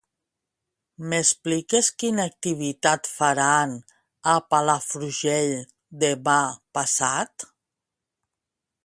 M'expliques quina activitat faran a Palafrugell demà passat?